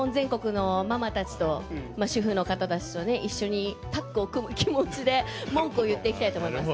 主婦の方たちとね一緒にタッグを組む気持ちで文句を言っていきたいと思います。